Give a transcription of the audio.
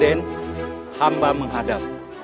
raden hamba menghadap